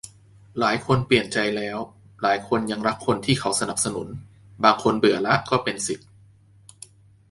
หลายคนเปลี่ยนใจแล้ว หลายคนยังรักคนที่เขาสนับสนุน บางคนเบื่อละ ก็เป็นสิทธิ์